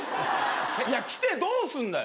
いや来てどうすんだよ